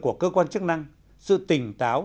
của cơ quan chức năng sự tỉnh táo